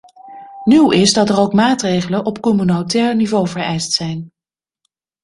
Nieuw is dat er ook maatregelen op communautair niveau vereist zijn.